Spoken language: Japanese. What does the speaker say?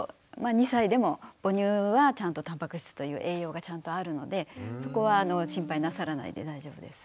２歳でも母乳はたんぱく質という栄養がちゃんとあるのでそこは心配なさらないで大丈夫です。